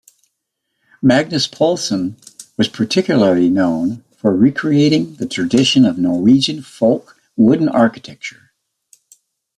Magnus Poulsson was particularly known for recreating the tradition of Norwegian folk wooden architecture.